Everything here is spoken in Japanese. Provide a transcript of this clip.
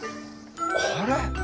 これ！